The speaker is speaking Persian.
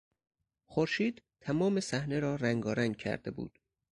خورشید تمام صحنه را رنگارنگ کرده بود.